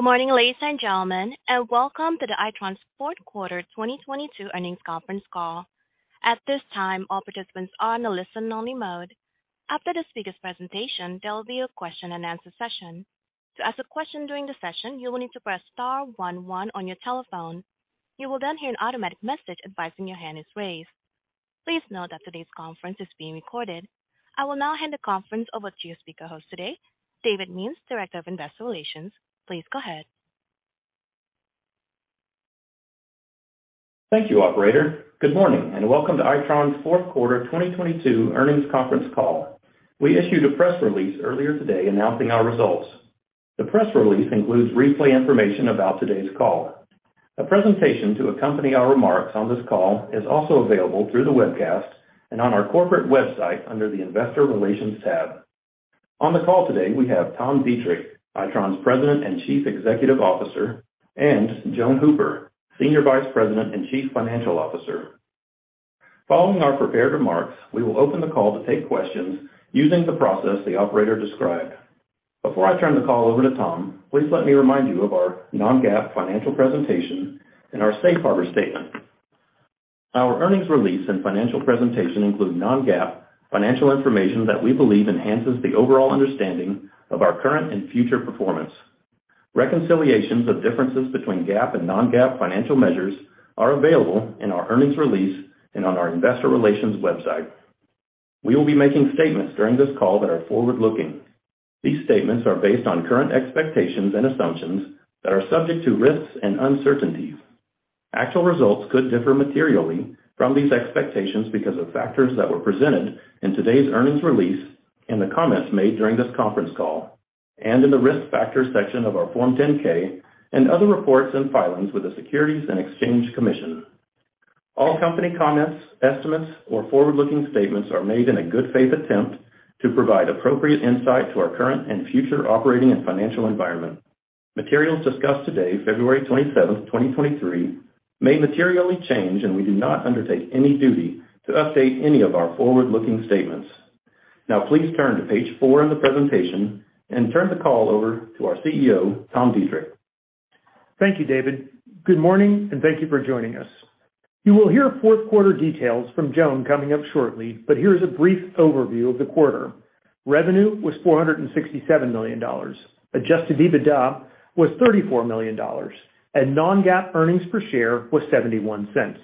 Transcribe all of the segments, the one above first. Good morning, ladies and gentlemen, welcome to the Itron's fourth quarter 2022 earnings conference call. At this time, all participants are in a listen-only mode. After the speaker's presentation, there will be a question-and-answer session. To ask a question during the session, you will need to press star one one on your telephone. You will hear an automatic message advising your hand is raised. Please note that today's conference is being recorded. I will now hand the conference over to your speaker host today, David Means, Director of Investor Relations. Please go ahead. Thank you, Operator. Good morning, welcome to Itron's fourth quarter 2022 earnings conference call. We issued a press release earlier today announcing our results. The press release includes replay information about today's call. A presentation to accompany our remarks on this call is also available through the webcast and on our corporate website under the Investor Relations tab. On the call today, we have Tom Deitrich, Itron's President and Chief Executive Officer, and Joan Hooper, Senior Vice President and Chief Financial Officer. Following our prepared remarks, we will open the call to take questions using the process the operator described. Before I turn the call over to Tom, please let me remind you of our non-GAAP financial presentation and our safe harbor statement. Our earnings release and financial presentation include non-GAAP financial information that we believe enhances the overall understanding of our current and future performance. Reconciliations of differences between GAAP and non-GAAP financial measures are available in our earnings release and on our investor relations website. We will be making statements during this call that are forward-looking. These statements are based on current expectations and assumptions that are subject to risks and uncertainties. Actual results could differ materially from these expectations because of factors that were presented in today's earnings release and the comments made during this conference call and in the Risk Factors section of our Form 10-K and other reports and filings with the Securities and Exchange Commission. All company comments, estimates or forward-looking statements are made in a good faith attempt to provide appropriate insight to our current and future operating and financial environment. Materials discussed today, February 27, 2023, may materially change, and we do not undertake any duty to update any of our forward-looking statements. Please turn to page 4 in the presentation and turn the call over to our CEO, Tom Deitrich. Thank you, David. Good morning, thank you for joining us. You will hear fourth-quarter details from Joan coming up shortly, here's a brief overview of the quarter. Revenue was $467 million. Adjusted EBITDA was $34 million, and non-GAAP earnings per share was $0.71.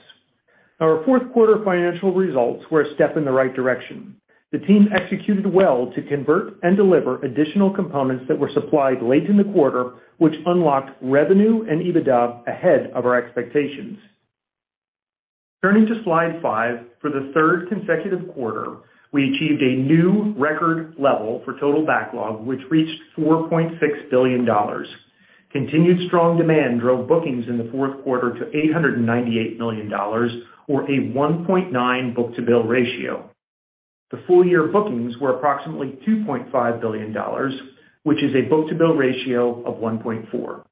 Our fourth quarter financial results were a step in the right direction. The team executed well to convert and deliver additional components that were supplied late in the quarter, which unlocked revenue and EBITDA ahead of our expectations. Turning to Slide 5. For the third consecutive quarter, we achieved a new record level for total backlog, which reached $4.6 billion. Continued strong demand drove bookings in the fourth quarter to $898 million or a 1.9 book-to-bill ratio. The full-year bookings were approximately $2.5 billion, which is a book-to-bill ratio of 1.4.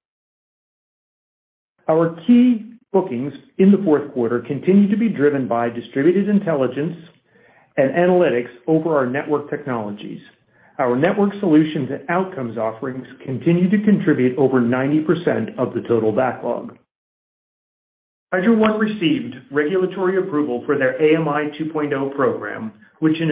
Our key bookings in the fourth quarter continued to be driven by Distributed Intelligence and analytics over our network technologies. Our Networked Solutions and Outcomes offerings continue to contribute over 90% of the total backlog. Hydro One received regulatory approval for their AMI 2.0 program, which is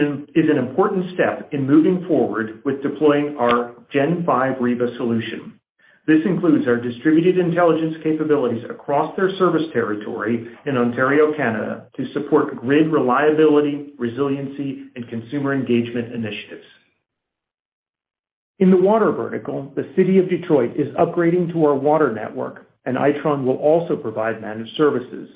an important step in moving forward with deploying our Gen5 Riva solution. This includes our Distributed Intelligence capabilities across their service territory in Ontario, Canada, to support grid reliability, resiliency and consumer engagement initiatives. In the water vertical, the city of Detroit is upgrading to our water network, and Itron will also provide managed services.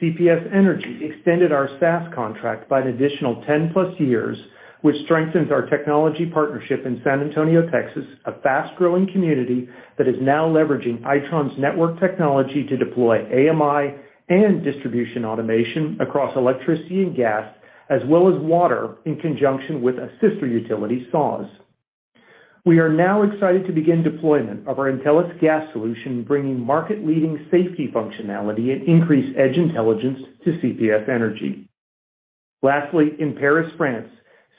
CPS Energy extended our SaaS contract by an additional 10+ years, which strengthens our technology partnership in San Antonio, Texas, a fast-growing community that is now leveraging Itron's network technology to deploy AMI 2.0 and Distribution Automation across electricity and gas as well as water in conjunction with a sister utility, SAWS. We are now excited to begin deployment of our Intelis Gas solution, bringing market-leading safety functionality and increased edge intelligence to CPS Energy. Lastly, in Paris, France,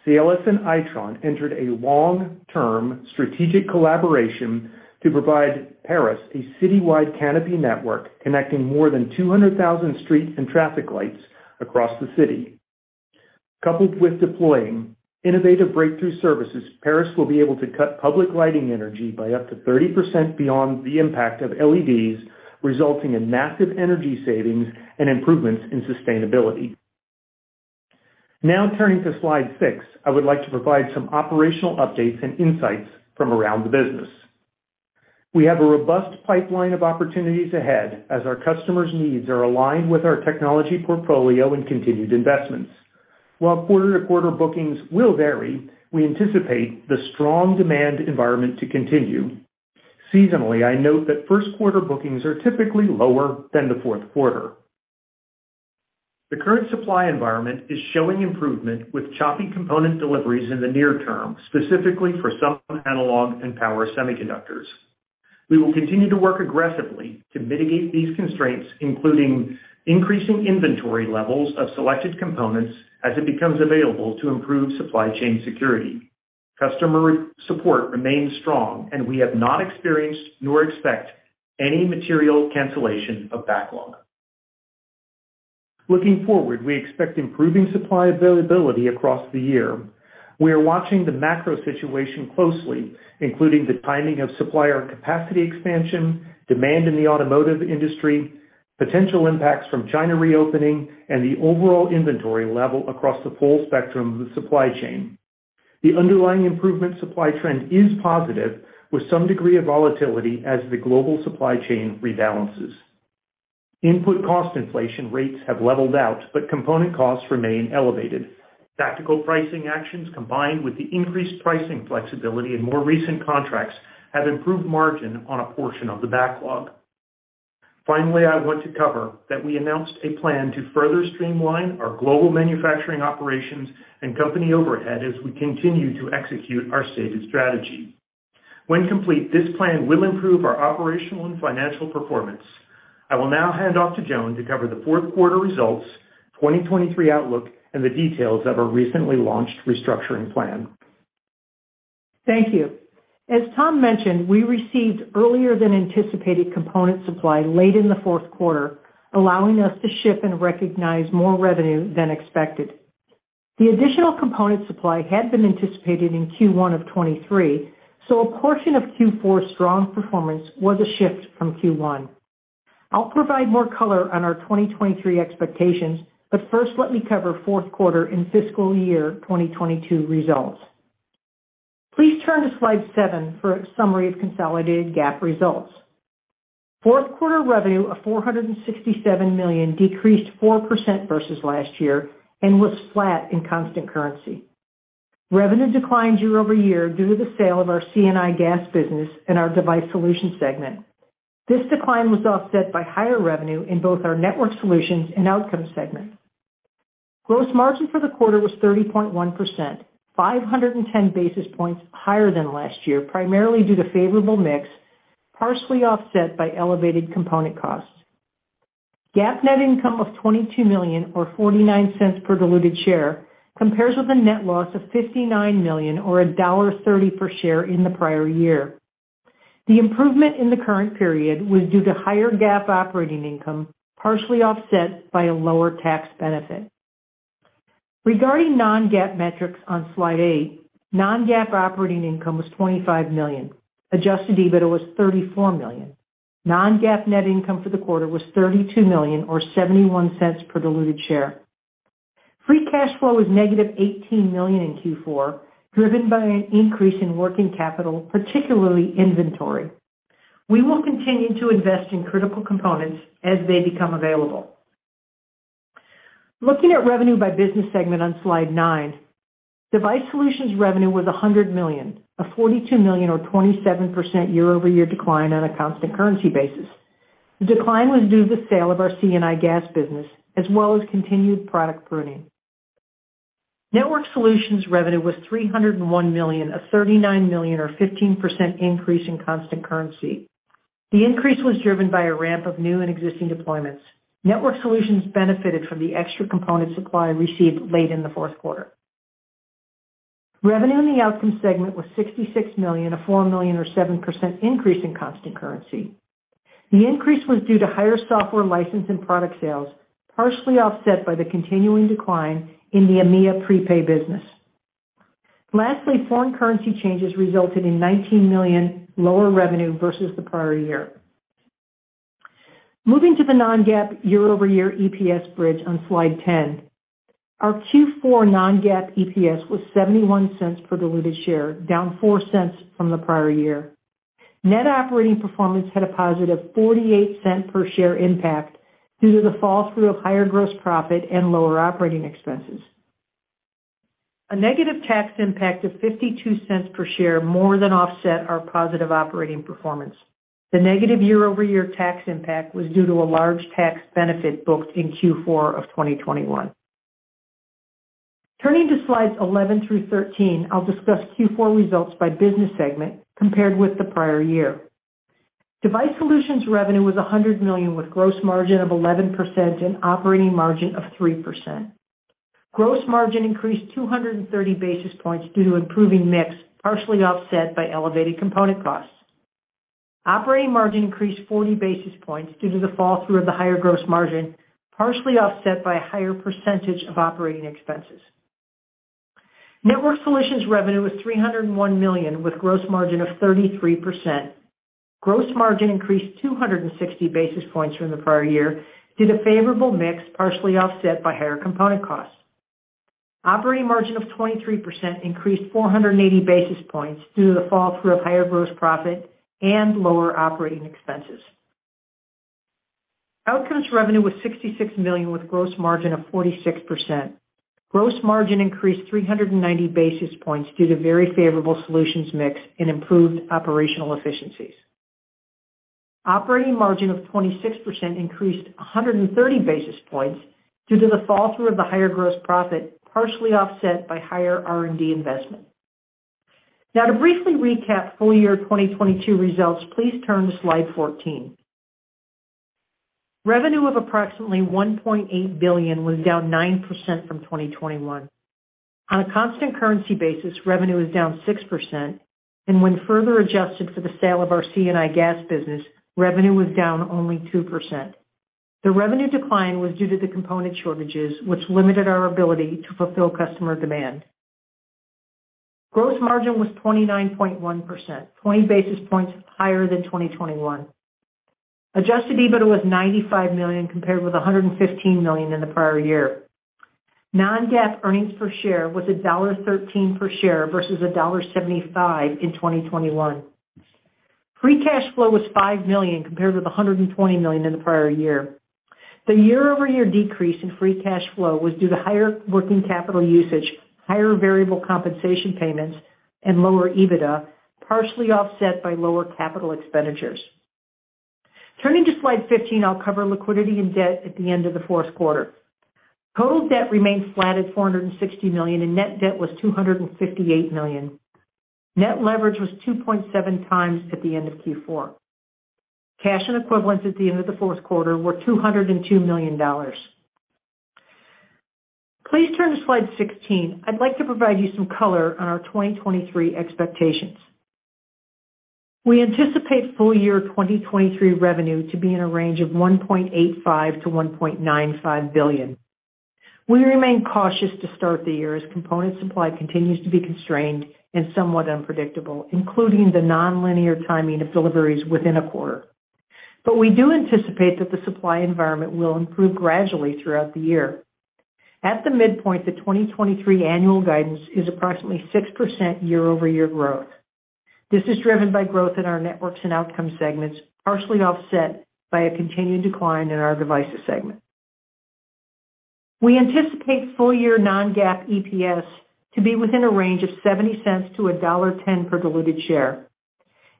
Cielis and Itron entered a long-term strategic collaboration to provide Paris a citywide canopy network connecting more than 200,000 streets and traffic lights across the city. Coupled with deploying innovative breakthrough services, Paris will be able to cut public lighting energy by up to 30% beyond the impact of LEDs, resulting in massive energy savings and improvements in sustainability. Now turning to Slide 6, I would like to provide some operational updates and insights from around the business. We have a robust pipeline of opportunities ahead as our customers' needs are aligned with our technology portfolio and continued investments. While quarter-to-quarter bookings will vary, we anticipate the strong demand environment to continue. Seasonally, I note that first quarter bookings are typically lower than the fourth quarter. The current supply environment is showing improvement with choppy component deliveries in the near term, specifically for some analog and power semiconductors. We will continue to work aggressively to mitigate these constraints, including increasing inventory levels of selected components as it becomes available to improve supply chain security. Customer support remains strong and we have not experienced nor expect any material cancellation of backlog. Looking forward, we expect improving supply availability across the year. We are watching the macro situation closely, including the timing of supplier capacity expansion, demand in the automotive industry, potential impacts from China reopening, and the overall inventory level across the full spectrum of the supply chain. The underlying improvement supply trend is positive, with some degree of volatility as the global supply chain rebalances. Input cost inflation rates have leveled out, but component costs remain elevated. Tactical pricing actions, combined with the increased pricing flexibility in more recent contracts, have improved margin on a portion of the backlog. I want to cover that we announced a plan to further streamline our global manufacturing operations and company overhead as we continue to execute our stated strategy. When complete, this plan will improve our operational and financial performance. I will now hand off to Joan to cover the fourth quarter results, 2023 outlook, and the details of our recently launched restructuring plan. Thank you. As Tom mentioned, we received earlier than anticipated component supply late in the fourth quarter, allowing us to ship and recognize more revenue than expected. The additional component supply had been anticipated in Q1 of 23. A portion of Q4's strong performance was a shift from Q1. I'll provide more color on our 2023 expectations. First let me cover fourth quarter and fiscal year 2022 results. Please turn to Slide 7 for a summary of consolidated GAAP results. Fourth quarter revenue of $467 million decreased 4% versus last year and was flat in constant currency. Revenue declined year-over-year due to the sale of our C&I Gas business in our Device Solutions segment. This decline was offset by higher revenue in both our Networked Solutions and Outcomes segment. Gross margin for the quarter was 30.1%, 510 basis points higher than last year, primarily due to favorable mix, partially offset by elevated component costs. GAAP net income of $22 million or $0.49 per diluted share compares with a net loss of $59 million or $1.30 per share in the prior year. The improvement in the current period was due to higher GAAP operating income, partially offset by a lower tax benefit. Regarding non-GAAP metrics on Slide 8, non-GAAP operating income was $25 million. Adjusted EBIT was $34 million. Non-GAAP net income for the quarter was $32 million or $0.71 per diluted share. Free cash flow was negative $18 million in Q4, driven by an increase in working capital, particularly inventory. We will continue to invest in critical components as they become available. Looking at revenue by business segment on Slide 9, Device Solutions revenue was $100 million, a $42 million or 27% year-over-year decline on a constant currency basis. The decline was due to the sale of our C&I Gas business as well as continued product pruning. Networked Solutions revenue was $301 million, a $39 million or 15% increase in constant currency. The increase was driven by a ramp of new and existing deployments. Networked Solutions benefited from the extra component supply received late in the fourth quarter. Revenue in the Outcomes segment was $66 million, a $4 million or 7% increase in constant currency. The increase was due to higher software license and product sales, partially offset by the continuing decline in the EMEA prepay business. Lastly, foreign currency changes resulted in $19 million lower revenue versus the prior year. Moving to the non-GAAP year-over-year EPS bridge on Slide 10. Our Q4 non-GAAP EPS was $0.71 per diluted share, down $0.04 from the prior year. Net operating performance had a positive $0.48 per share impact due to the fall through of higher gross profit and lower operating expenses. A negative tax impact of $0.52 per share more than offset our positive operating performance. The negative year-over-year tax impact was due to a large tax benefit booked in Q4 of 2021. Turning to Slides 11-13, I'll discuss Q4 results by business segment compared with the prior year. Device Solutions revenue was $100 million, with gross margin of 11% and operating margin of 3%. Gross margin increased 230 basis points due to improving mix, partially offset by elevated component costs. Operating margin increased 40 basis points due to the fall through of the higher gross margin, partially offset by a higher % of OpEx. Networked Solutions revenue was $301 million with gross margin of 33%. Gross margin increased 260 basis points from the prior year due to favorable mix, partially offset by higher component costs. Operating margin of 23% increased 480 basis points due to the fall through of higher gross profit and lower OpEx. Outcomes revenue was $66 million with gross margin of 46%. Gross margin increased 390 basis points due to very favorable solutions mix and improved operational efficiencies. Operating margin of 26% increased 130 basis points due to the fall through of the higher gross profit, partially offset by higher R&D investment. Now to briefly recap full-year 2022 results, please turn to Slide 14. Revenue of approximately $1.8 billion was down 9% from 2021. On a constant currency basis, revenue is down 6%, when further adjusted for the sale of our C&I Gas business, revenue was down only 2%. The revenue decline was due to the component shortages, which limited our ability to fulfill customer demand. Gross margin was 29.1%, 20 basis points higher than 2021. Adjusted EBITDA was $95 million compared with $115 million in the prior year. Non-GAAP earnings per share was $1.13 per share versus $1.75 in 2021. Free cash flow was $5 million compared with $120 million in the prior year. The year-over-year decrease in free cash flow was due to higher working capital usage, higher variable compensation payments, and lower EBITDA, partially offset by lower capital expenditures. Turning to Slide 15, I'll cover liquidity and debt at the end of the fourth quarter. Total debt remains flat at $460 million, and net debt was $258 million. Net leverage was 2.7x at the end of Q4. Cash and equivalents at the end of the fourth quarter were $202 million. Please turn to Slide 16. I'd like to provide you some color on our 2023 expectations. We anticipate full-year 2023 revenue to be in a range of $1.85 billion-$1.95 billion. We remain cautious to start the year as component supply continues to be constrained and somewhat unpredictable, including the nonlinear timing of deliveries within a quarter. We do anticipate that the supply environment will improve gradually throughout the year. At the midpoint, the 2023 annual guidance is approximately 6% year-over-year growth. This is driven by growth in our Networks and Outcomes segments, partially offset by a continued decline in our Devices segment. We anticipate full-year non-GAAP EPS to be within a range of $0.70-$1.10 per diluted share.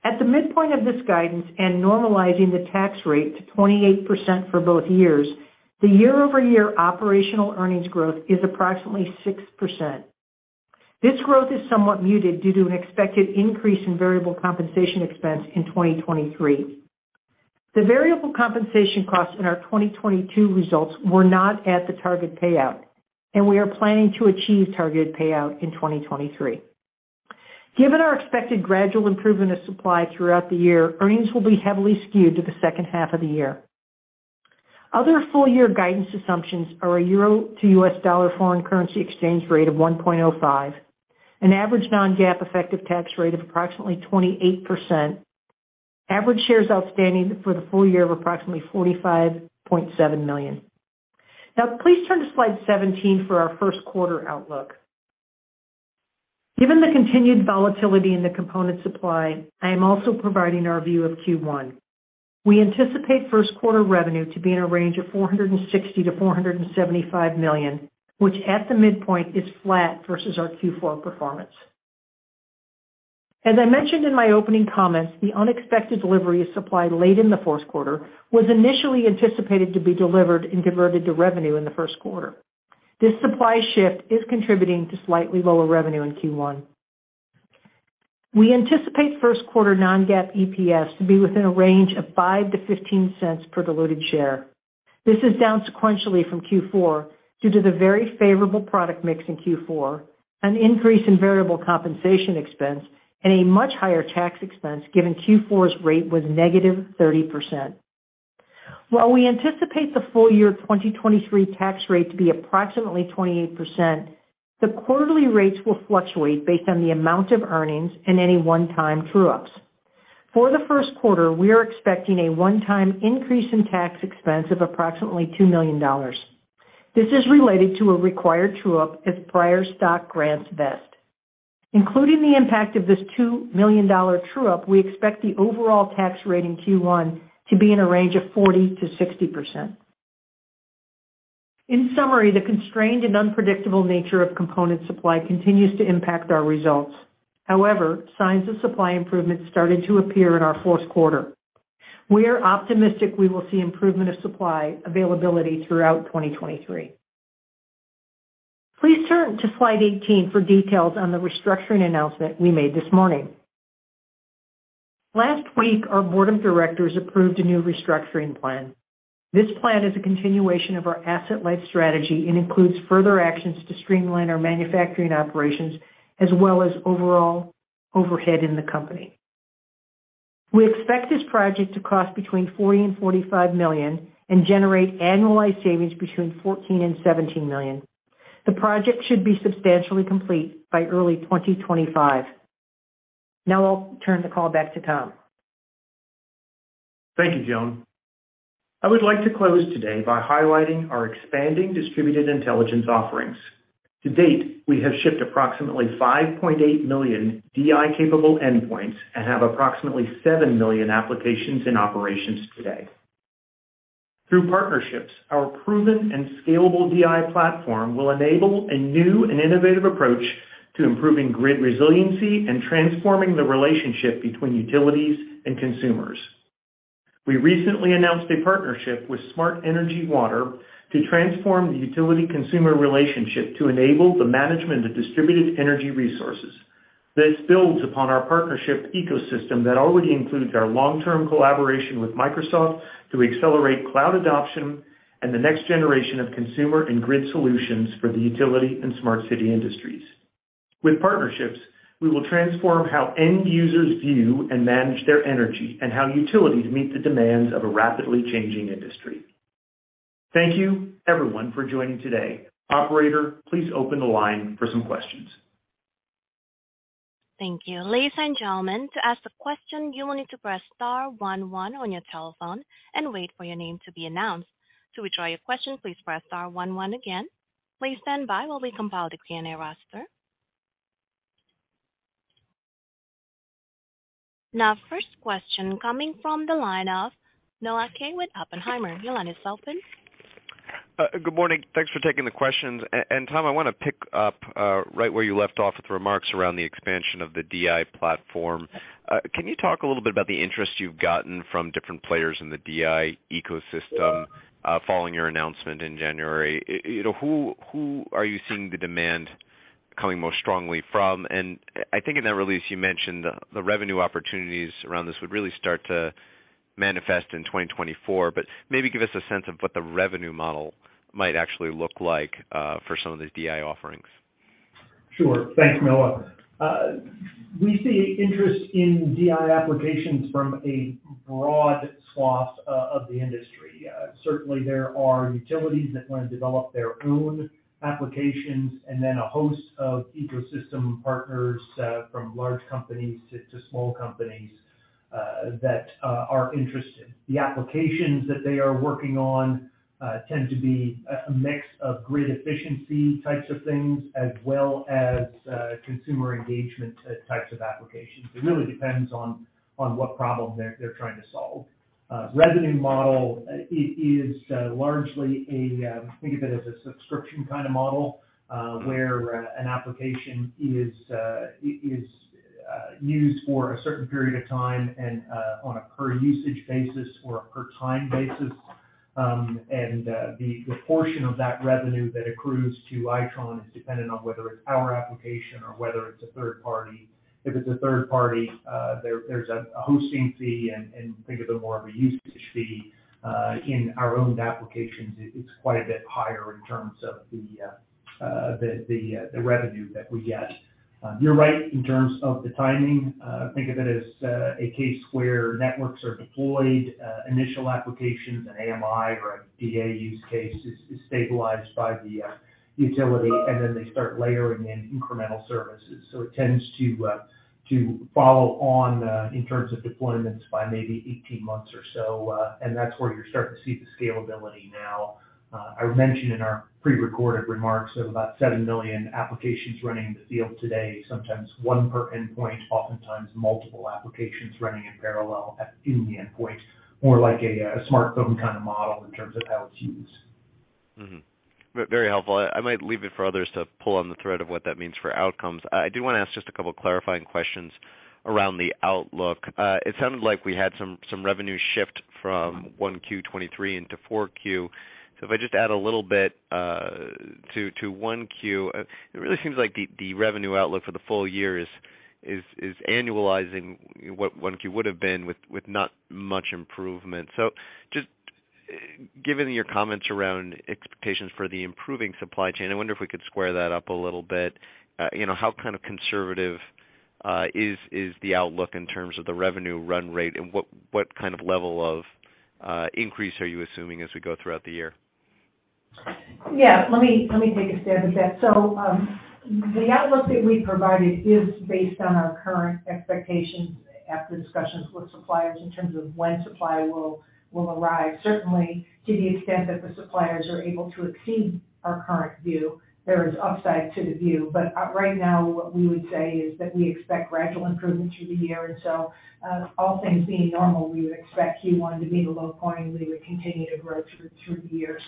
At the midpoint of this guidance and normalizing the tax rate to 28% for both years, the year-over-year operational earnings growth is approximately 6%. This growth is somewhat muted due to an expected increase in variable compensation expense in 2023. The variable compensation costs in our 2022 results were not at the target payout. We are planning to achieve target payout in 2023. Given our expected gradual improvement of supply throughout the year, earnings will be heavily skewed to the second half of the year. Other full-year guidance assumptions are a EUR to USD foreign currency exchange rate of 1.05, an average non-GAAP effective tax rate of approximately 28%, average shares outstanding for the full-year of approximately 45.7 million. Please turn to Slide 17 for our first quarter outlook. Given the continued volatility in the component supply, I am also providing our view of Q1. We anticipate first quarter revenue to be in a range of $460 million-$475 million, which at the midpoint is flat versus our Q4 performance. As I mentioned in my opening comments, the unexpected delivery of supply late in the fourth quarter was initially anticipated to be delivered and converted to revenue in the first quarter. This supply shift is contributing to slightly lower revenue in Q1. We anticipate first quarter non-GAAP EPS to be within a range of $0.05-$0.15 per diluted share. This is down sequentially from Q4 due to the very favorable product mix in Q4, an increase in variable compensation expense, and a much higher tax expense, given Q4's rate was -30%. While we anticipate the full-year 2023 tax rate to be approximately 28%, the quarterly rates will fluctuate based on the amount of earnings and any one-time true-ups. For the first quarter, we are expecting a one-time increase in tax expense of approximately $2 million. This is related to a required true-up as prior stock grants vest. Including the impact of this $2 million true-up, we expect the overall tax rate in Q1 to be in a range of 40%-60%. The constrained and unpredictable nature of component supply continues to impact our results. Signs of supply improvement started to appear in our fourth quarter. We are optimistic we will see improvement of supply availability throughout 2023. Please turn to Slide 18 for details on the restructuring announcement we made this morning. Last week, our board of directors approved a new restructuring plan. This plan is a continuation of our asset-light strategy and includes further actions to streamline our manufacturing operations as well as overall overhead in the company. We expect this project to cost between $40 million and $45 million and generate annualized savings between $14 million and $17 million. The project should be substantially complete by early 2025. Now I'll turn the call back to Tom. Thank you, Joan. I would like to close today by highlighting our expanding Distributed Intelligence offerings. To date, we have shipped approximately 5.8 million DI-capable endpoints and have approximately 7 million applications in operations today. Through partnerships, our proven and scalable DI platform will enable a new and innovative approach to improving grid resiliency and transforming the relationship between utilities and consumers. We recently announced a partnership with Smart Energy Water to transform the utility-consumer relationship to enable the management of Distributed Energy resources. This builds upon our partnership ecosystem that already includes our long-term collaboration with Microsoft to accelerate cloud adoption and the next generation of consumer and grid solutions for the utility and smart city industries. With partnerships, we will transform how end users view and manage their energy and how utilities meet the demands of a rapidly changing industry. Thank you everyone for joining today. Operator, please open the line for some questions. Thank you. Ladies and gentlemen, to ask a question, you will need to press star one one on your telephone and wait for your name to be announced. To withdraw your question, please press star one one again. Please stand by while we compile the Q&A roster. Now, first question coming from the line of Noah Kaye with Oppenheimer. Your line is open. Good morning. Thanks for taking the questions. Tom, I wanna pick up, right where you left off with remarks around the expansion of the DI platform. Can you talk a little bit about the interest you've gotten from different players in the DI ecosystem, following your announcement in January? You know, who are you seeing the demand coming most strongly from? I think in that release you mentioned the revenue opportunities around this would really start to manifest in 2024. Maybe give us a sense of what the revenue model might actually look like, for some of the DI offerings. Sure. Thanks, Noah. We see interest in DI applications from a broad swath of the industry. Certainly there are utilities that wanna develop their own applications and then a host of ecosystem partners, from large companies to small companies, that are interested. The applications that they are working on tend to be a mix of grid efficiency types of things as well as consumer engagement types of applications. It really depends on what problem they're trying to solve. Revenue model, it is largely a, think of it as a subscription kind of model, where an application is used for a certain period of time and on a per usage basis or a per time basis. The portion of that revenue that accrues to Itron is dependent on whether it's our application or whether it's a third party. If it's a third party, there's a hosting fee and think of it more of a usage fee. In our own applications, it's quite a bit higher in terms of the revenue that we get. You're right in terms of the timing. Think of it as a case where networks are deployed, initial applications, an AMI 2.0 or a Distribution Automation use case is stabilized by the utility, and then they start layering in incremental services. It tends to follow on in terms of deployments by maybe 18 months or so. That's where you're starting to see the scalability now. I mentioned in our prerecorded remarks of about 7 million applications running in the field today, sometimes one per endpoint, oftentimes multiple applications running in parallel in the endpoint, more like a smartphone kind of model in terms of how it's used. Very helpful. I might leave it for others to pull on the thread of what that means for Outcomes. I do wanna ask just a couple clarifying questions around the outlook. It sounded like we had some revenue shift from 1Q 2023 into 4Q. If I just add a little bit to 1Q, it really seems like the revenue outlook for the full-year is annualizing what 1Q would've been with not much improvement. Just given your comments around expectations for the improving supply chain, I wonder if we could square that up a little bit. You know, how kind of conservative is the outlook in terms of the revenue run rate, and what kind of level of increase are you assuming as we go throughout the year? Let me take a stab at that. The outlook that we provided is based on our current expectations after discussions with suppliers in terms of when supply will arrive. Certainly to the extent that the suppliers are able to exceed our current view, there is upside to the view. Right now what we would say is that we expect gradual improvement through the year. All things being normal, we would expect Q1 to be the low point, and we would continue to grow through the year.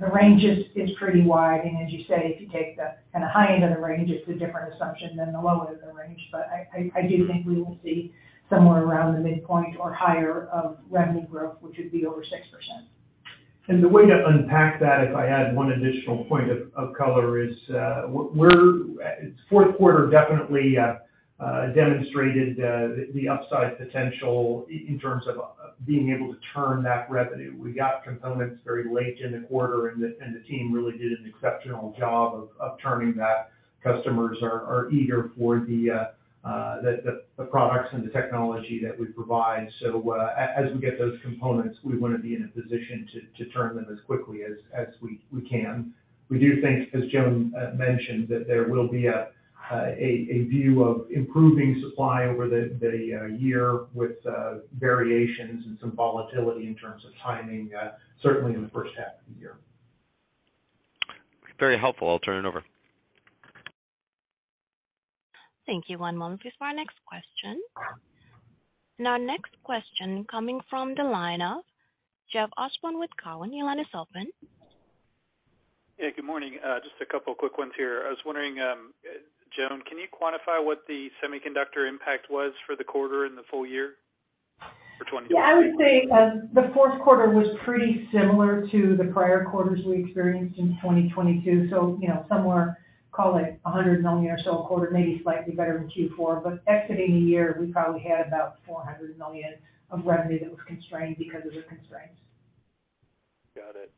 The range is pretty wide, and as you say, if you take the kinda high end of the range, it's a different assumption than the low end of the range. I do think we will see somewhere around the midpoint or higher of revenue growth, which would be over 6%. The way to unpack that, if I add one additional point of color, is we're its fourth quarter definitely demonstrated the upside potential in terms of being able to turn that revenue. We got components very late in the quarter and the team really did an exceptional job of turning that. Customers are eager for the products and the technology that we provide. As we get those components, we wanna be in a position to turn them as quickly as we can. We do think, as Joan mentioned, that there will be a view of improving supply over the year with variations and some volatility in terms of timing, certainly in the first half of the year. Very helpful. I'll turn it over. Thank you. One moment please for our next question. Our next question coming from the line of Jeff Osborne with TD Cowen. Your line is open. Good morning. Just a couple quick ones here. I was wondering, Joan, can you quantify what the semiconductor impact was for the quarter and the full-year? I would say, the fourth quarter was pretty similar to the prior quarters we experienced in 2022. You know, somewhere call it $100 million or so a quarter, maybe slightly better than Q4. Exiting the year, we probably had about $400 million of revenue that was constrained because of the constraints. Got it.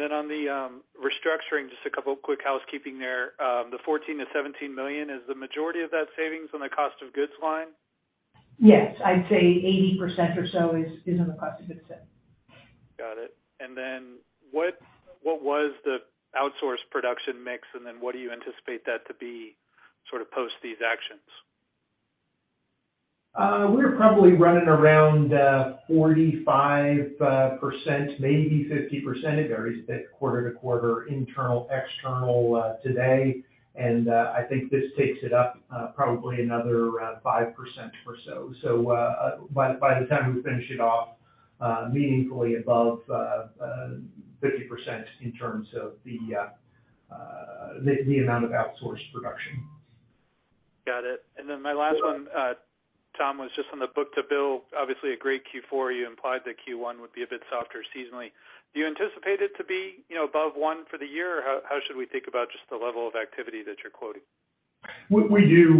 On the restructuring, just a couple of quick housekeeping there. The $14 million-$17 million, is the majority of that savings on the cost of goods line? Yes. I'd say 80% or so is on the cost of goods side. Got it. What was the outsourced production mix, and then what do you anticipate that to be sort of post these actions? We're probably running around 45%, maybe 50%. It varies bit quarter to quarter, internal, external, today. I think this takes it up probably another 5% or so. By the time we finish it off, meaningfully above 50% in terms of the amount of outsourced production. Got it. My last one, Tom, was just on the book-to-bill. Obviously a great Q4. You implied that Q1 would be a bit softer seasonally. Do you anticipate it to be, you know, above 1 for the year? Or how should we think about just the level of activity that you're quoting? We do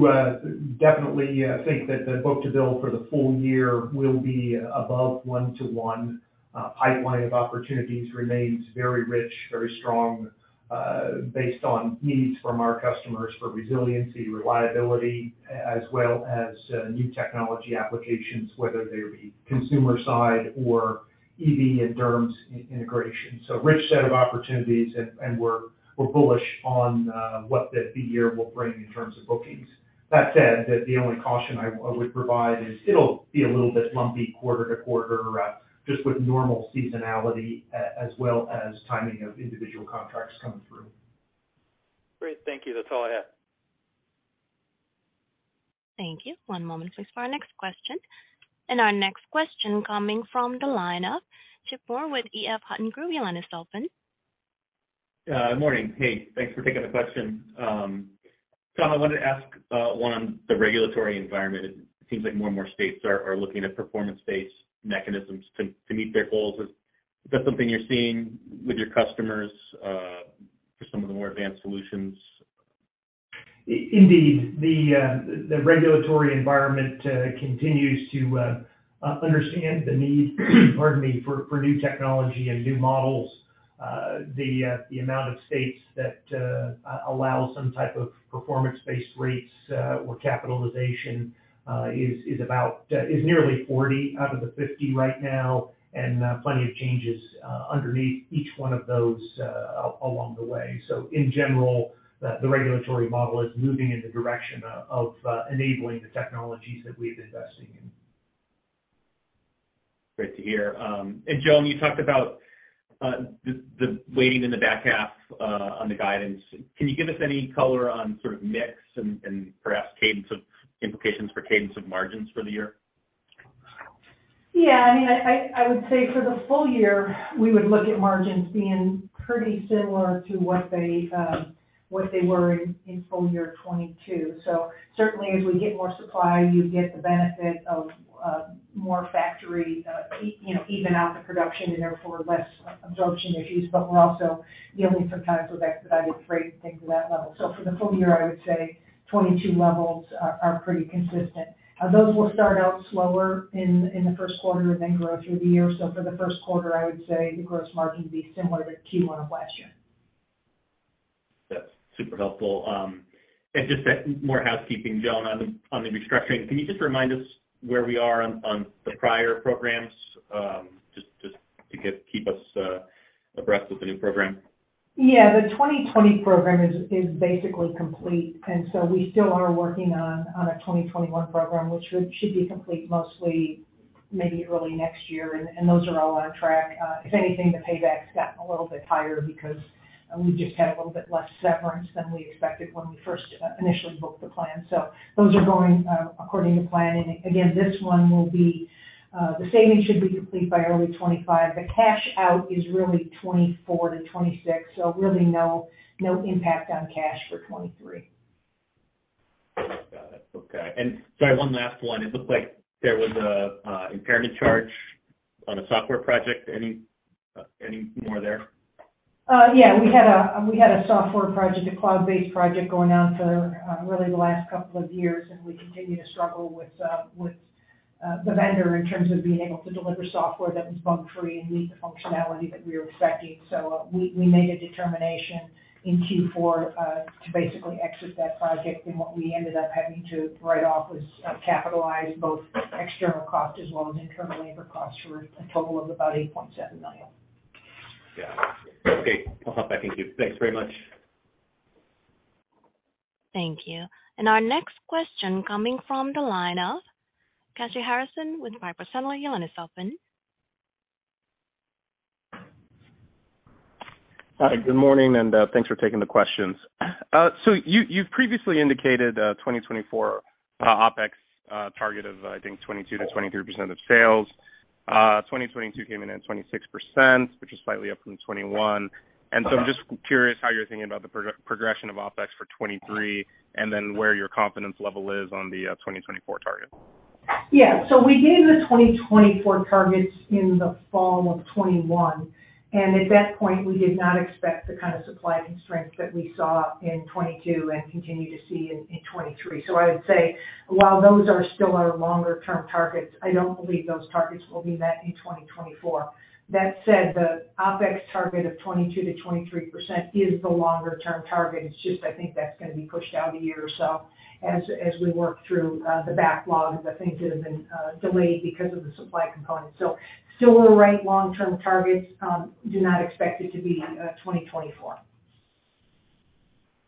definitely think that the book-to-bill for the full-year will be above one-to-one. Pipeline of opportunities remains very rich, very strong, based on needs from our customers for resiliency, reliability, as well as new technology applications, whether they be consumer side or EV and DERMS integration. Rich set of opportunities and we're bullish on what the year will bring in terms of bookings. That said, the only caution I would provide is it'll be a little bit lumpy quarter to quarter, just with normal seasonality, as well as timing of individual contracts coming through. Great. Thank you. That's all I had. Thank you. One moment, please, for our next question. Our next question coming from the line of Chip Moore with EF Hutton Group. Your line is open. Good morning. Hey, thanks for taking the question. Tom, I wanted to ask one on the regulatory environment. It seems like more and more states are looking at performance-based mechanisms to meet their goals. Is that something you're seeing with your customers, for some of the more advanced solutions? Indeed. The regulatory environment continues to understand the need, pardon me, for new technology and new models. The amount of states that allow some type of performance-based rates or capitalization is about, is nearly 40 out of the 50 right now. Plenty of changes underneath each one of those along the way. In general, the regulatory model is moving in the direction of enabling the technologies that we're investing in. Great to hear. Joan, you talked about, the weighting in the back half, on the guidance. Can you give us any color on sort of mix and, perhaps implications for cadence of margins for the year? Yeah, I mean, I would say for the full-year, we would look at margins being pretty similar to what they, what they were in full-year 2022. Certainly, as we get more supply, you get the benefit of more factory, you know, even out the production and therefore less absorption issues. But we're also dealing sometimes with expedited freight and things of that level. For the full-year, I would say 2022 levels are pretty consistent. Those will start out slower in the first quarter and then grow through the year. For the first quarter, I would say the gross margin will be similar to Q1 of last year. That's super helpful. Just more housekeeping, Joan, on the restructuring. Can you just remind us where we are on the prior programs, just to keep us abreast with the new program? Yeah. The 2020 program is basically complete. We still are working on a 2021 program, which should be complete mostly maybe early next year. Those are all on track. If anything, the payback's gotten a little bit higher because we just had a little bit less severance than we expected when we first initially booked the plan. Those are going according to plan. Again, this one will be, the savings should be complete by early 2025. The cash out is really 2024 to 2026, so really no impact on cash for 2023. Got it. Okay. Sorry, one last one. It looked like there was a impairment charge on a software project. Any more there? Yeah. We had a, we had a software project, a cloud-based project going on for really the last couple of years, and we continue to struggle with the vendor in terms of being able to deliver software that was bug free and meet the functionality that we were expecting. We made a determination in Q4 to basically exit that project. What we ended up having to write off was capitalize both external costs as well as internal labor costs for a total of about $8.7 million. Yeah. Okay. I'll hop back in queue. Thanks very much. Thank you. Our next question coming from the line of Kashy Harrison with Piper Sandler. Your line is open. Good morning, and, thanks for taking the questions. You, you've previously indicated 2024 OpEx target of, I think, 22%-23% of sales. 2022 came in at 26%, which is slightly up from 21. I'm just curious how you're thinking about the progression of OpEx for 2023, and then where your confidence level is on the 2024 target. Yeah. We gave the 2024 targets in the fall of 2021. At that point, we did not expect the kind of supply constraints that we saw in 2022 and continue to see in 2023. I would say, while those are still our longer-term targets, I don't believe those targets will be met in 2024. That said, the OpEx target of 22%-23% is the longer-term target. It's just I think that's gonna be pushed out a year or so as we work through the backlogs, I think, that have been delayed because of the supply component. Still the right long-term targets, do not expect it to be 2024.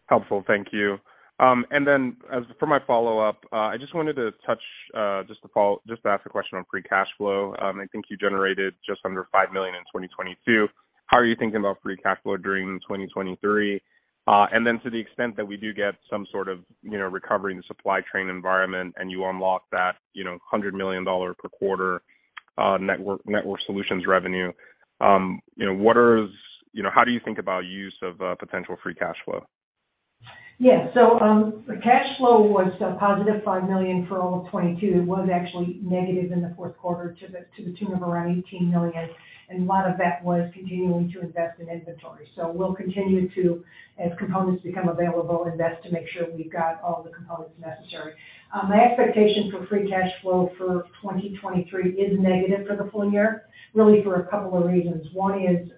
Helpful. Thank you. As for my follow-up, I just wanted to touch, just to ask a question on free cash flow. I think you generated just under $5 million in 2022. How are you thinking about free cash flow during 2023? Then to the extent that we do get some sort of, you know, recovery in the supply chain environment and you unlock that, you know, $100 million per quarter, Networked Solutions revenue, you know, how do you think about use of potential free cash flow? The cash flow was a positive $5 million for all of 2022. It was actually negative in the fourth quarter to the tune of around $18 million. A lot of that was continuing to invest in inventory. We'll continue to, as components become available, invest to make sure we've got all the components necessary. My expectation for free cash flow for 2023 is negative for the full-year, really for a couple of reasons. One is,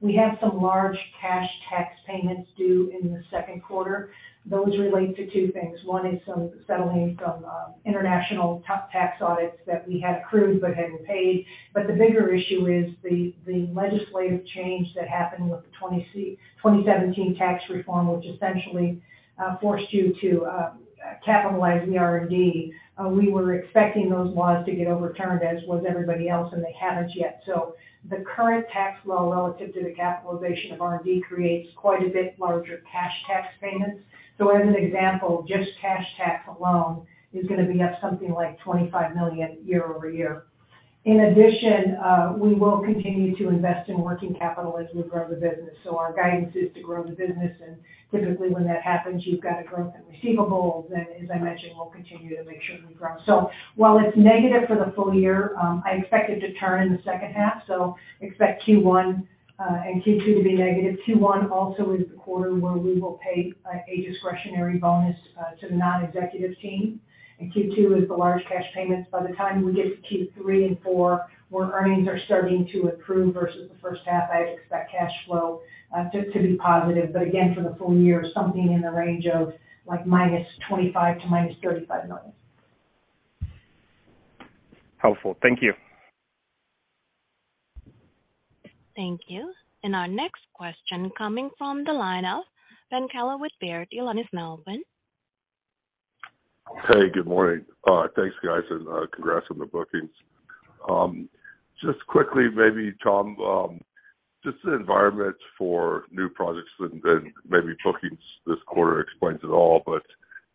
we have some large cash tax payments due in the second quarter. Those relate to two things. One is settling some international tax audits that we had accrued but hadn't paid. The bigger issue is the legislative change that happened with the 2017 tax reform, which essentially forced you to capitalize R&D. We were expecting those laws to get overturned, as was everybody else, and they haven't yet. The current tax flow relative to the capitalization of R&D creates quite a bit larger cash tax payments. As an example, just cash tax alone is gonna be up something like $25 million year-over-year. In addition, we will continue to invest in working capital as we grow the business. Our guidance is to grow the business, and typically when that happens, you've got a growth in receivables. As I mentioned, we'll continue to make sure we grow. While it's negative for the full-year, I expect it to turn in the second half. Expect Q1 and Q2 to be negative. Q1 also is the quarter where we will pay a discretionary bonus to the non-executive team. Q2 is the large cash payments. By the time we get to Q3 and four, where earnings are starting to improve versus the first half, I expect cash flow to be positive. Again, for the full-year, something in the range of, like, -$25 million to -$35 million. Helpful. Thank you. Thank you. Our next question coming from the line of Ben Kallo with Baird. Your line is now open. Hey, Good morning. Thanks guys, congrats on the bookings. Just quickly, maybe Tom, just the environment for new projects and then maybe bookings this quarter explains it all. You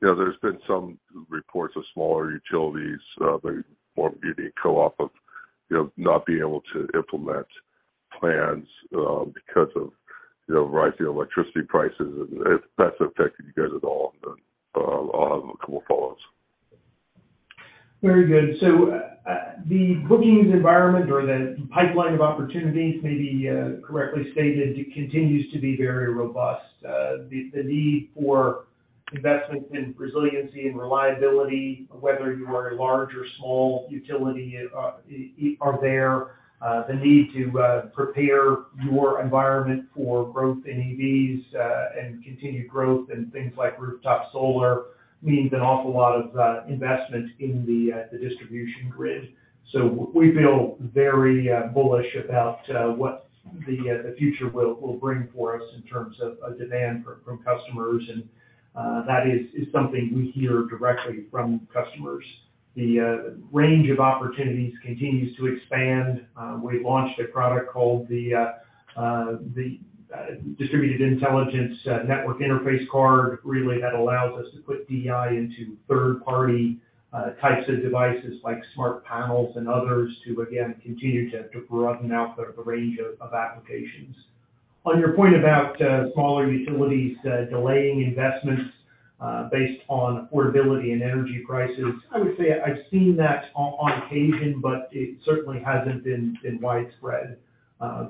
know, there's been some reports of smaller utilities, the form being co-op of, you know, not being able to implement plans, because of, you know, rising electricity prices. If that's affecting you guys at all. I'll have two follow-ups. Very good. The bookings environment or the pipeline of opportunities may be, correctly stated. It continues to be very robust. The, the need for investments in resiliency and reliability, whether you are a large or small utility, are there. The need to, prepare your environment for growth in EVs, and continued growth in things like rooftop solar means an awful lot of, investment in the Distribution Grid. We feel very, bullish about, what the future will bring for us in terms of, demand from customers. That is something we hear directly from customers. The, range of opportunities continues to expand. We've launched a product called the Distributed Intelligence Network Interface Card, really that allows us to put DI into third-party types of devices like smart panels and others to again, continue to broaden out the range of applications. On your point about smaller utilities delaying investments based on affordability and energy prices, I would say I've seen that on occasion, but it certainly hasn't been widespread.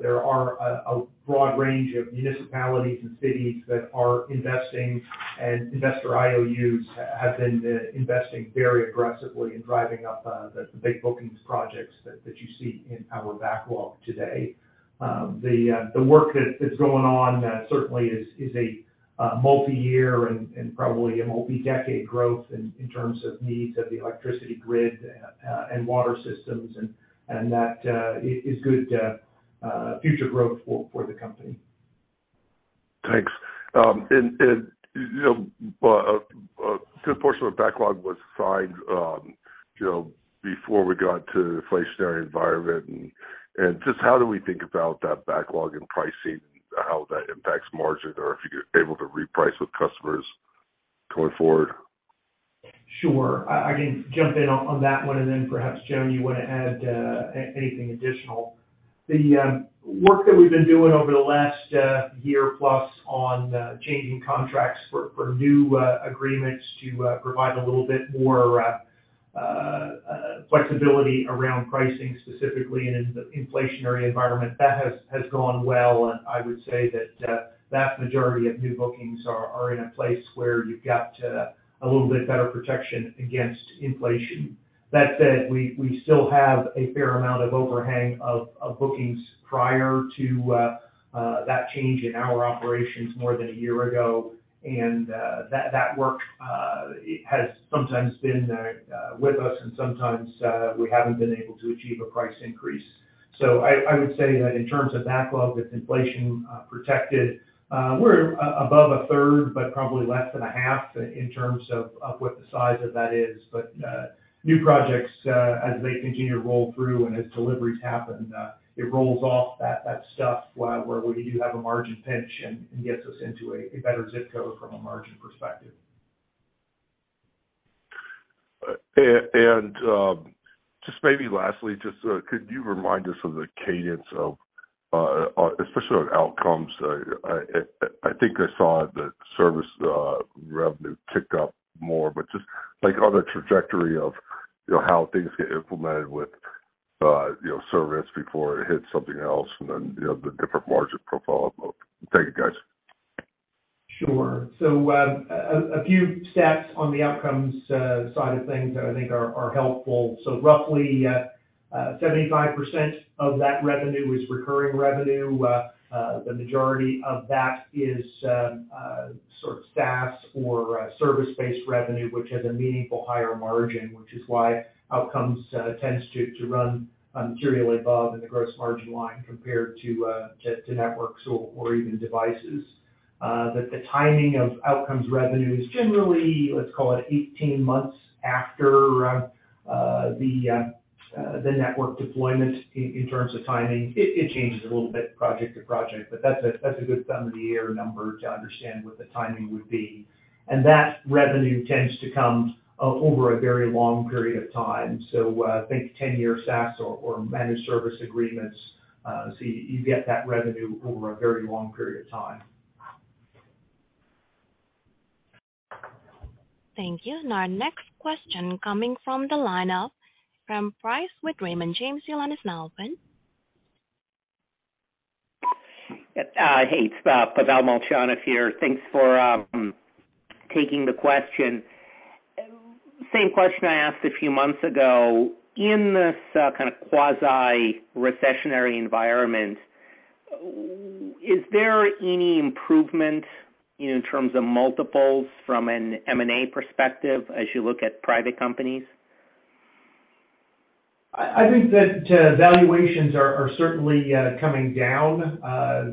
There are a broad range of municipalities and cities that are investing, and investor IOUs have been investing very aggressively in driving up the big bookings projects that you see in our backlog today. The work that's going on, certainly is a multi-year and probably a multi-decade growth in terms of needs of the electricity grid, and water systems. That is good future growth for the company. Thanks. You know, but a good portion of the backlog was signed, you know, before we got to the inflationary environment. Just how do we think about that backlog and pricing, how that impacts margin, or if you're able to reprice with customers going forward? Sure. I can jump in on that one, and then perhaps, Joan, you wanna add anything additional. The work that we've been doing over the last year plus on changing contracts for new agreements to provide a little bit more flexibility around pricing specifically in an inflationary environment, that has gone well, and I would say that the majority of new bookings are in a place where you've got a little bit better protection against inflation. That said, we still have a fair amount of overhang of bookings prior to that change in our operations more than a year ago. That work has sometimes been with us, and sometimes we haven't been able to achieve a price increase. I would say that in terms of backlog that's inflation protected, we're above a third, but probably less than a half in terms of what the size of that is. New projects, as they continue to roll through and as deliveries happen, it rolls off that stuff where we do have a margin pinch and gets us into a better ZIP Code from a margin perspective. Maybe lastly, could you remind us of the cadence of especially on Outcomes? I think I saw that service revenue ticked up more, but just like on the trajectory of, you know, how things get implemented with, you know, service before it hits something else and then, you know, the different margin profile. Thank you, guys. Sure. A few stats on the Outcomes side of things that I think are helpful. Roughly, 75% of that revenue is recurring revenue. The majority of that is sort of SaaS or service-based revenue, which has a meaningful higher margin, which is why Outcomes tends to run materially above in the gross margin line compared to Networks or even Devices. The timing of Outcomes revenue is generally, let's call it 18 months after the network deployment in terms of timing. It changes a little bit project to project, but that's a good thumb in the air number to understand what the timing would be. That revenue tends to come over a very long period of time. Think 10-year SaaS or managed service agreements. You get that revenue over a very long period of time. Thank you. Our next question coming from the line of Pavel with Raymond James. Your line is now open. Hey, it's Pavel Molchanov here. Thanks for taking the question. Same question I asked a few months ago. In this kind of quasi-recessionary environment, is there any improvement in terms of multiples from an M&A perspective as you look at private companies? I think that valuations are certainly coming down.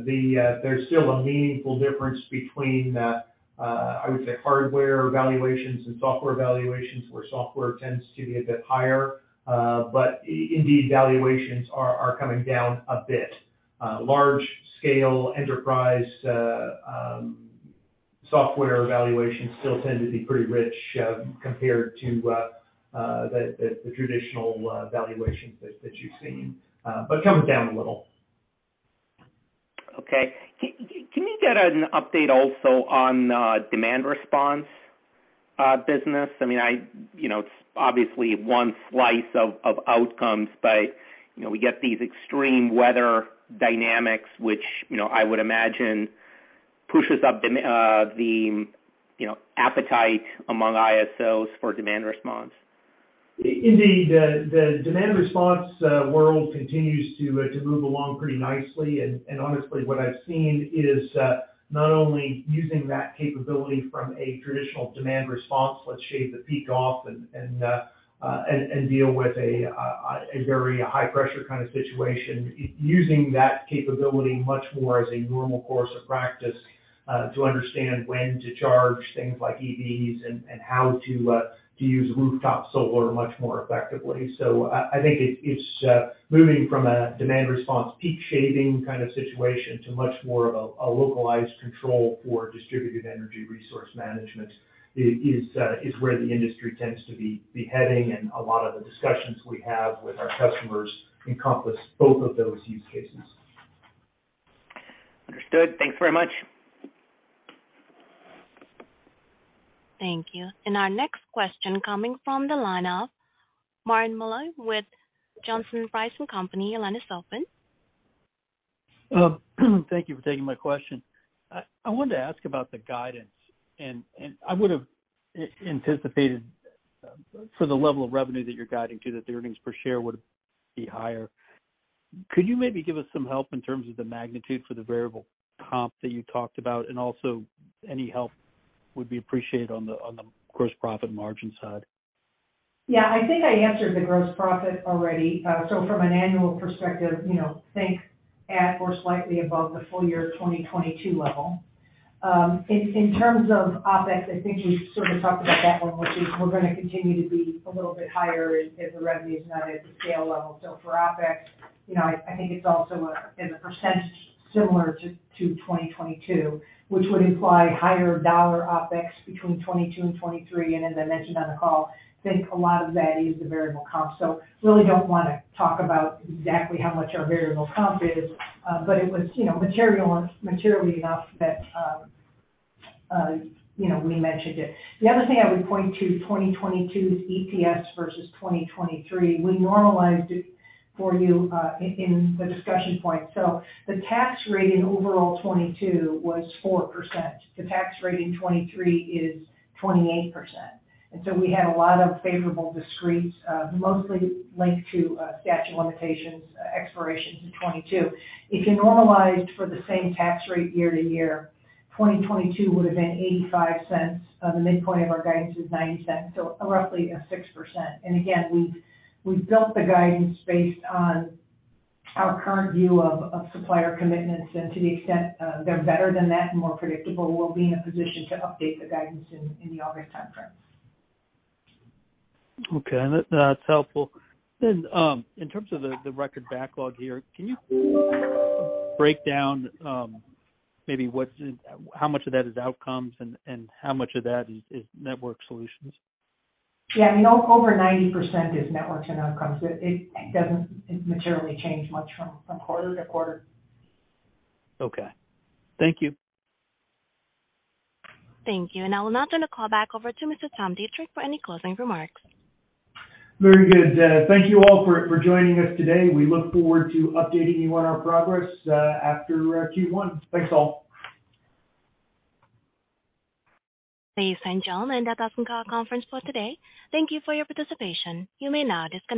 There's still a meaningful difference between I would say, hardware valuations and software valuations, where software tends to be a bit higher. Indeed, valuations are coming down a bit. Large scale enterprise software valuations still tend to be pretty rich compared to the traditional valuations that you've seen, but coming down a little. Okay. Can you get an update also on demand response business? I mean, you know, it's obviously one slice of Outcomes, but, you know, we get these extreme weather dynamics, which, you know, I would imagine pushes up the, you know, appetite among ISOs for demand response. Indeed. The demand response world continues to move along pretty nicely. Honestly, what I've seen is not only using that capability from a traditional demand response, let's shave the peak off and, and deal with a very high pressure kind of situation. Using that capability much more as a normal course of practice to understand when to charge things like EVs and how to use rooftop solar much more effectively. So I think it's moving from a demand response peak shaving kind of situation to much more of a localized control for Distributed Energy resource management is where the industry tends to be heading. A lot of the discussions we have with our customers encompass both of those use cases. Understood. Thanks very much. Thank you. Our next question coming from the line of Martin Malloy with Johnson Rice & Company. Your line is open. Thank you for taking my question. I wanted to ask about the guidance, and I would've anticipated for the level of revenue that you're guiding to that the earnings per share would be higher. Could you maybe give us some help in terms of the magnitude for the variable comp that you talked about? Also, any help would be appreciated on the gross profit margin side. Yeah. I think I answered the gross profit already. From an annual perspective, you know, think at or slightly above the full-year 2022 level. In terms of OpEx, I think we sort of talked about that one, which is we're gonna continue to be a little bit higher if the revenue is not at the scale level. For OpEx, you know, I think it's also a, as a percent similar to 2022, which would imply higher dollar OpEx between 22 and 23. As I mentioned on the call, I think a lot of that is the variable comp. Really don't wanna talk about exactly how much our variable comp is, but it was, you know, materially enough that, you know, we mentioned it. The other thing I would point to 2022's EPS versus 2023, we normalized it for you in the discussion point. The tax rate in overall 2022 was 4%. The tax rate in 2023 is 28%. We had a lot of favorable discretes, mostly linked to statute of limitations, expirations in 2022. If you normalized for the same tax rate year to year, 2022 would have been $0.85. The midpoint of our guidance is $0.90, so roughly 6%. Again, we've built the guidance based on our current view of supplier commitments. To the extent they're better than that and more predictable, we'll be in a position to update the guidance in the August timeframe. Okay. That's helpful. In terms of the record backlog here, can you break down, how much of that is Outcomes and, how much of that is Networked Solutions? Yeah. I mean, over 90% is Networks and Outcomes. It doesn't materially change much from quarter to quarter. Okay. Thank you. Thank you. I will now turn the call back over to Mr. Tom Deitrich for any closing remarks. Very good. Thank you all for joining us today. We look forward to updating you on our progress after Q1. Thanks all. Ladies and gentlemen, that concludes our conference for today. Thank you for your participation. You may now disconnect.